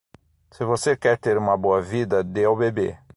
Se você quer ter uma boa vida, dê ao bebê.